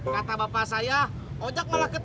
kata bapak saya ojak malah ketakutan